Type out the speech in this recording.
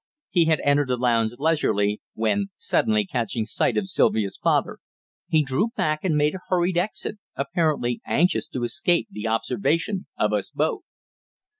He had entered the lounge leisurely, when, suddenly catching sight of Sylvia's father, he drew back and made a hurried exit, apparently anxious to escape the observation of us both.